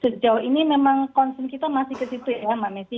sejauh ini memang concern kita masih ke situ ya mbak messi